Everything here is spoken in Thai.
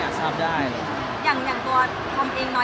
อย่างตัวคอมเองน้อยไหมว่าคอมเป็นนาฬักษณ์ประเทศของเรา